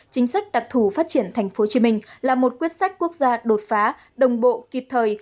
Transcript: chính sách đặc thù phát triển tp hcm là một quyết sách quốc gia đột phá đồng bộ kịp thời